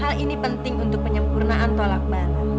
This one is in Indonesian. hal ini penting untuk penyempurnaan tolak barang